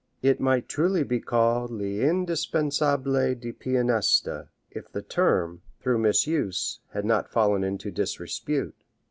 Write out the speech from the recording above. It might truly be called 'l'indispensable du pianiste,' if the term, through misuse, had not fallen into disrepute.